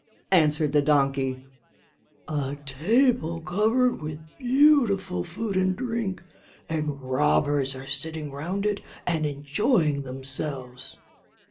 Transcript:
answered the donkey: "a table covered with beautiful food and drink, and robbers are sitting round it and enjoying themselves."